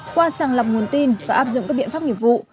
qua sàng lọc nguồn tin và áp dụng các biện pháp nghiệp vụ